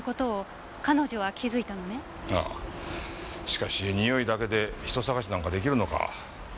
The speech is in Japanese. しかしにおいだけで人捜しなんかできるのか？